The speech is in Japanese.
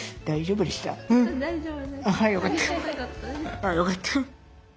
あよかった。